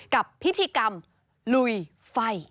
กับพิธีกรรมลุยไฟ